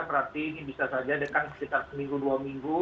berarti ini bisa saja dekat sekitar seminggu dua minggu